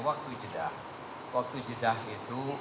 waktu jedah waktu jedah itu